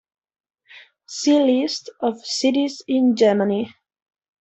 "See List of cities in Germany"